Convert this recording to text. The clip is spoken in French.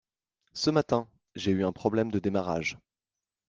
Ce matin, j’ai eu un problème de démarrage.